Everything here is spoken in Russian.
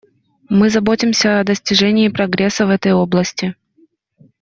Мы заботимся о достижении прогресса в этой области.